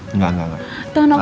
enggak enggak enggak